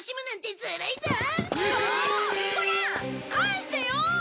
返してよ！